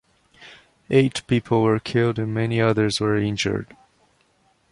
Eight people were killed and many others were injured.